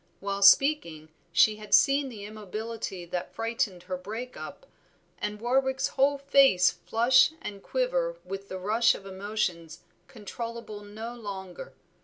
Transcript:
While speaking, she had seen the immobility that frightened her break up, and Warwick's whole face flush and quiver with the rush of emotions controllable no longer.